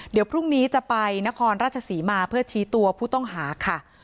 เดี๋ยวพรุ่งนี้จะไปนครราชศรีมาเพื่อชี้ตัวผู้ต้องหาค่ะ